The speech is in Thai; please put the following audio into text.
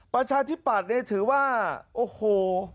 ประชาธิปัตย์เนี่ยถือว่าโอ้โห